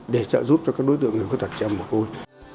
để trợ giúp cho các đối tượng người khuyết tật chèm một ôn